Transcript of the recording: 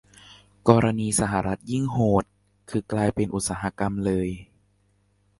กรณีสหรัฐยิ่งโหด คือกลายเป็นอุตสาหกรรมเลย